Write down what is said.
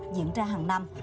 diễn ra hàng năm